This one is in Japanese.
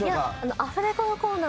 アフレコのコーナー